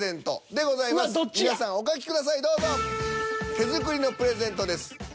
手作りのプレゼントです。